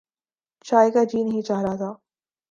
چائے کا جی نہیں چاہ رہا تھا۔